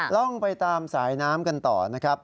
ร่องไปตามสายน้ำกันต่อนะครับ